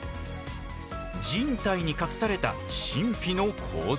人体に隠された神秘の構造。